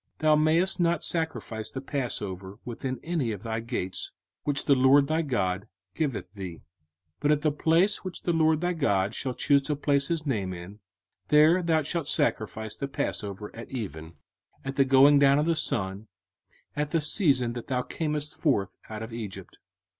05:016:005 Thou mayest not sacrifice the passover within any of thy gates, which the LORD thy God giveth thee: 05:016:006 But at the place which the LORD thy God shall choose to place his name in, there thou shalt sacrifice the passover at even, at the going down of the sun, at the season that thou camest forth out of Egypt.